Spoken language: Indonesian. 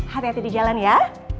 hati hati di jalan ya